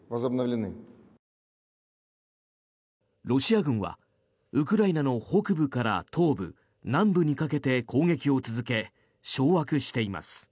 ロシア軍はウクライナの北部から東部、南部にかけて攻撃を続け、掌握しています。